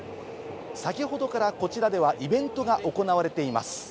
先ほどからこちらではイベントが行われています。